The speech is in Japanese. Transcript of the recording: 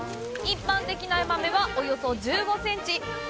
一般的なヤマメは、およそ１５センチ。